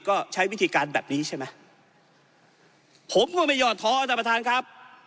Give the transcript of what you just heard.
ก็ใช้วิธีการแบบนี้ใช่ไหมผมก็ไม่หอดท้อท่านประธานครับ